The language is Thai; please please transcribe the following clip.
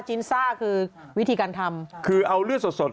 คือเอาเลือดสดของหมูหรือวัวหรือควาย